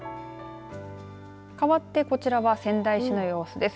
かわってこちらは仙台市の様子です。